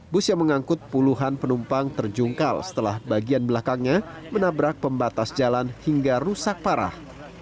bus yang mengangkut puluhan penumpang terjungkal setelah bagian belakangnya menabrak pembatas jalan hingga rusak parah